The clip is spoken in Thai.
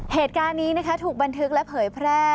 เหตุการณ์นี้นะคะถูกบันทึกและเผยแพร่